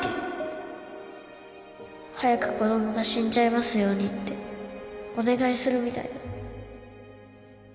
早く子供が死んじゃいますようにってお願いするみたいだ